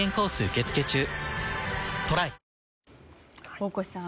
大越さん